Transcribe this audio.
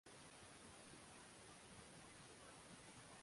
Baada ya kushinda ubingwa wa Ulaya kwa ngazi ya vilabu